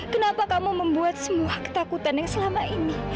kenapa kamu membuat semua ketakutan yang selama ini